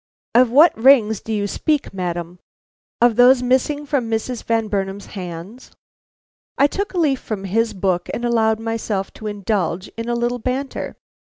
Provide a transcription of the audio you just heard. "Of what rings do you speak, madam? Of those missing from Mrs. Van Burnam's hands?" I took a leaf from his book, and allowed myself to indulge in a little banter.